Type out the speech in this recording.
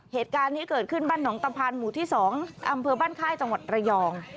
เหตุการณ์นี้เกิดขึ้นบ้านหนองตะพานหมู่ที่๒อำเภอบ้านค่ายจังหวัดระยอง